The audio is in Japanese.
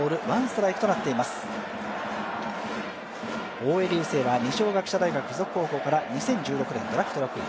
大江竜聖は二松學舍大学附属高校から２０１６年ドラフト６位。